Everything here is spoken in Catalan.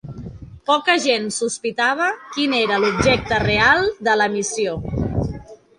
Poca gent sospitava quin era l'objecte real de la missió.